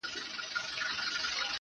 ته ټيک هغه یې خو اروا دي آتشي چیري ده.